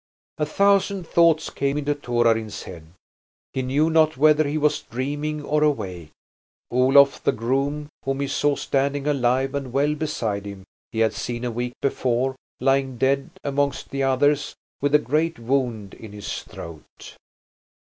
A thousand thoughts came into Torarin's head. He knew not whether he was dreaming or awake. Olof the groom, whom he saw standing alive and well beside him, he had seen a week before lying dead amongst the others with a great wound in his throat.